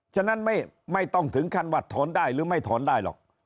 ฉะนั้นไม่ต้องถึงขั้นว่าถอนได้หรือไม่ถอนได้หรอก